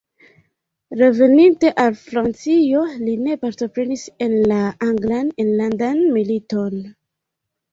Reveninte al Francio li ne partoprenis en la Anglan enlandan militon.